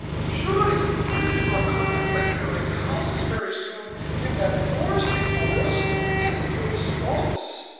Surely you do not contemplate building houses, very soon, in that forest before us, and in those swamps."